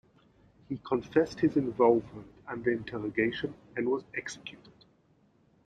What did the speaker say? He confessed his involvement under interrogation and was executed.